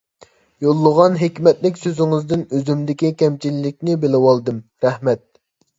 يوللىغان ھېكمەتلىك سۆزىڭىزدىن ئۆزۈمدىكى كەمچىلىكنى بىلىۋالدىم، رەھمەت.